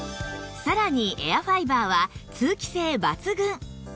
さらにエアファイバーは通気性抜群